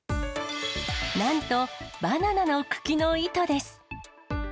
なんと、バナナの茎の糸です。